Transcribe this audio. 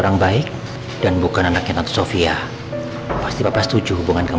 sampai jumpa di video selanjutnya